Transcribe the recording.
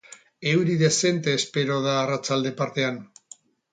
Euri dezente espero da arratsalde partean.